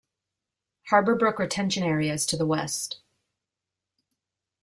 Harbor Brook Retention area is to the west.